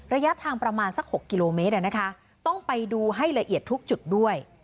ระยะทางประมาณสัก๖กิโลเมตรต้องไปดูให้ละเอียดทุกจุดด้วย